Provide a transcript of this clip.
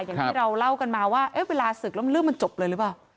อย่างที่เราเล่ากันมาว่าเวลาศึกแล้วเรื่องมันจบเลยหรือเปล่า